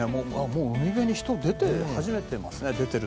もう海辺に人が出始めていますね。